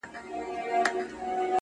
په تن خرقه په لاس کي دي تسبې لرې که نه,